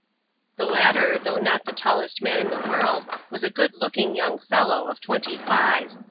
The latter, though not the tallest man in the world, was a good looking young fel low, of twenty five.